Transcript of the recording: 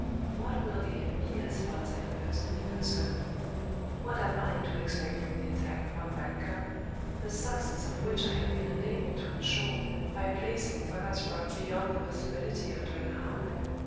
What will the end be as far as I am personally concerned? What am I to expect from the attack upon Back Cup, the success of which I have been unable to assure by placing Thomas Roch beyond the possibility of doing harm?